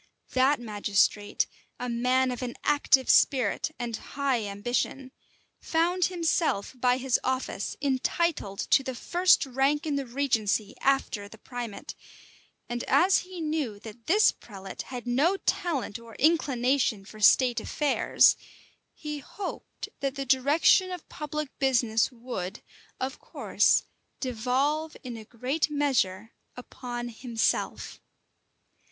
That magistrate, a man of an active spirit and high ambition, found himself by his office entitled to the first rank in the regency after the primate; and as he knew that this prelate had no talent or inclination for state affairs, he hoped that the direction of public business would, of course, devolve in a great measure upon himself.